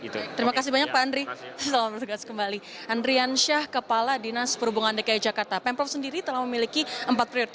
terima kasih banyak pak andri